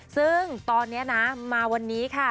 ซึ่งตอนนี้นะมาวันนี้ค่ะ